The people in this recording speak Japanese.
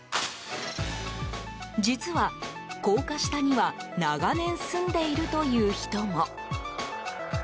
実は、高架下には長年住んでいるという人も。